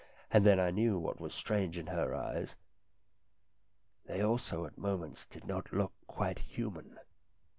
And then I knew what was strange in her eyes. They also at moments did not look quite human.